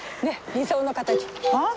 理想の形？